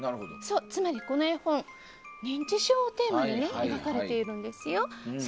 つまり、この絵本認知症をテーマに描かれているんですよ。